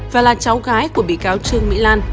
và là cháu gái của bị cáo trương mỹ lan